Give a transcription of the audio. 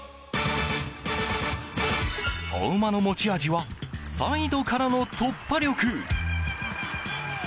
相馬の持ち味はサイドからの突破力。